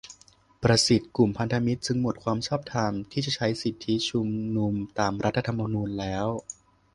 ประสิทธิ์ :"กลุ่มพันธมิตรจึงหมดความชอบธรรมที่จะใช้สิทธิชุมนุมตามรัฐธรรมนูญแล้ว"